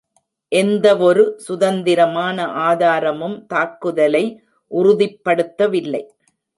எந்தவொரு சுதந்திரமான ஆதாரமும் தாக்குதலை உறுதிப்படுத்தவில்லை.